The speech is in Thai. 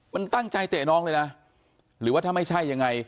มันตั้งใจเตะน้องเลยนะหรือว่าถ้าไม่ใช่ยังไง